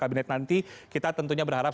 kabinet nanti kita tentunya berharap